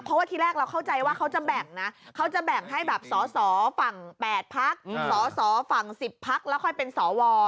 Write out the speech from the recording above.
เพราะว่าที่แรกเราเข้าใจว่าเขาจะแบ่งแบบส่อฝั่ง๘พักส่อฝั่ง๑๐พักแล้วค่อยเป็นส่อว